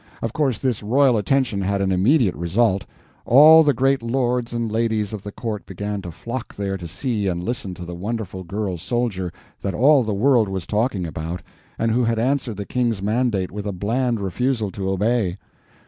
Of course, this royal attention had an immediate result: all the great lords and ladies of the Court began to flock there to see and listen to the wonderful girl soldier that all the world was talking about, and who had answered the King's mandate with a bland refusal to obey.